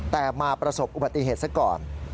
แต่มาประสบอุบัติเหตุซะก่อน